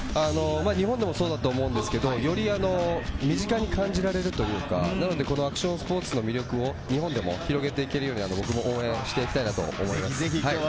日本でもそうだと思いますが、より身近に感じられるというか、なので、このアクションスポーツの魅力を日本でも広げていけるように僕も応援していきたいなと思います。